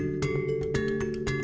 yuk tangannya ke depan